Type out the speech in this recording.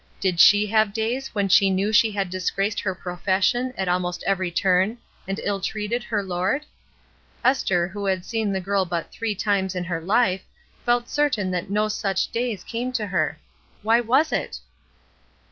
Did she have days when she knew that she had disgraced her profession at almost every turn, and ill treated her Lord? Esther, who had seen the girl but three times in her life, felt certain that no such days came to her. Why was it